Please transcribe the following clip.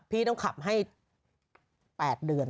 พี่นุกขับให้๘เดือน